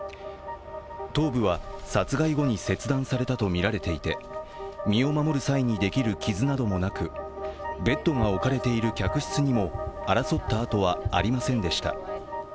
頭部は殺害後に切断されたとみられていて身を守る際にできる傷などもなくベッドが置かれている客室にも争ったあとはありませんでした。